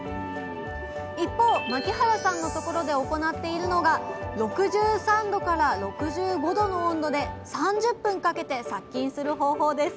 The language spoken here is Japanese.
一方牧原さんのところで行っているのが６３℃から６５℃の温度で３０分かけて殺菌する方法です